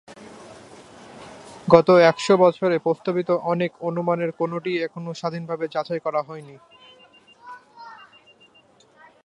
গত একশ বছরে প্রস্তাবিত অনেক অনুমানের কোনটিই এখনো স্বাধীনভাবে যাচাই করা হয়নি।